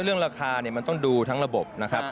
เรื่องราคาเนี่ยมันต้องดูทั้งระบบนะครับ